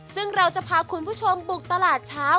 ซึ่งเราจะพาคุณผู้ชมบุกตลาดเช้า